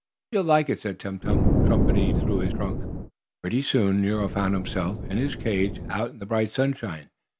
"You'll like it," said Tum Tum, trumpeting through his trunk. Pretty soon Nero found himself, in his cage, out in the bright sunshine.